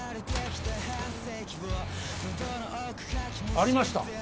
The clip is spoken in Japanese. ありました